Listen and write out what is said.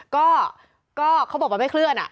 ก็ก็เขาบอกว่ามันไม่เคลื่อนอ่ะ